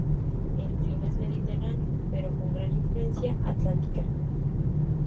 El clima es mediterráneo, pero con gran influencia atlántica.